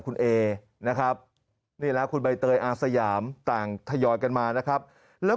คุณเอนะครับนี่แล้วคุณใบเตยอาสยามต่างทยอยกันมานะครับแล้ว